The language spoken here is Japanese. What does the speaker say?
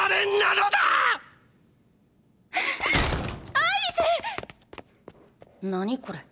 アイリス⁉何これ？